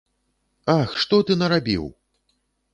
Ах, што ты нарабіў!